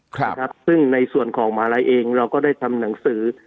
ครับนะครับซึ่งในส่วนของมหาลัยเองเราก็ได้ทำหนังสือ